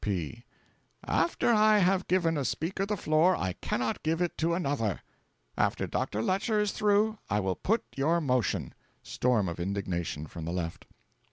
P. 'After I have given a speaker the floor, I cannot give it to another. After Dr. Lecher is through, I will put your motion.' (Storm of indignation from the Left.)